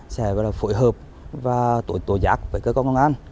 sẽ phối hợp và tổ giác với cơ quan công an